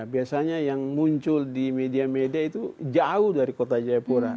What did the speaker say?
biasanya yang muncul di media media itu jauh dari kota jayapura